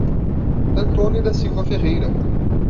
Antônio da Silva Ferreira